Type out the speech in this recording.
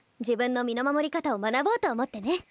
自分の身の守り方を学ぼうと思ってね。